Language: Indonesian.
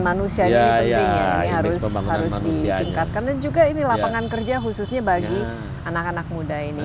manusia nyayari harus harus ditingkatkan juga ini lapangan kerja khususnya bagi anak anak muda ini